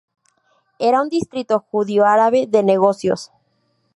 Era un distrito judío-árabe de negocios.